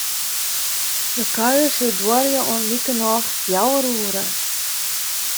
De kuier sil duorje oant likernôch fjouwer oere.